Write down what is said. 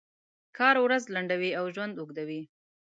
کار ورځ لنډوي او ژوند اوږدوي.